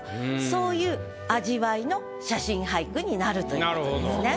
そういう味わいの写真俳句になるということですね。